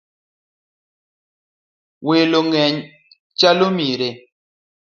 Welo ng'eny chalo mire.